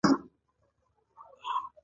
زه مزدور کار يم